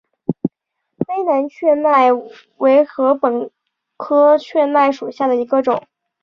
卑南雀麦为禾本科雀麦属下的一个种。